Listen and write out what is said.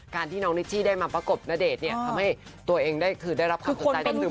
การที่น้องนิชชี่ได้มาประกบณเดชน์เนี่ยทำให้ตัวเองได้คือได้รับความคิดใจจำนึกบุรุษรวม